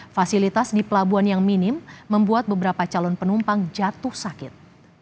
fasilitas di pelabuhan yang minim membuat beberapa calon penumpang jatuh sakit